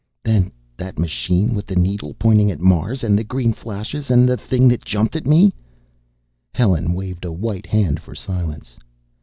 "Then that machine, with the needle pointing at Mars, and the green flashes, and the thing that jumped at me " Helen waved a white hand for silence.